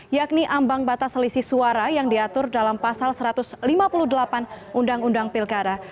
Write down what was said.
yakni ambang batas selisih suara yang diatur dalam pasal satu ratus lima puluh delapan undang undang pilkada